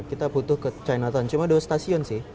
kita butuh ke chinatown cuma dua stasiun sih